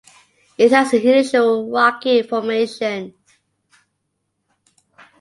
It has an unusual rocky formation.